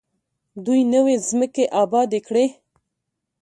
دوی نوې ځمکې ابادې کړې.